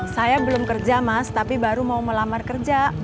saya belum kerja mas tapi baru mau melamar kerja